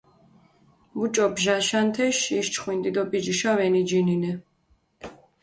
მუჭო ბჟაშანი, თეში იში ჩხვინდი დო პიჯიშა ვენიჯინინე.